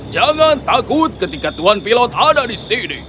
jangan takut ketika tuhan pilot ada di sini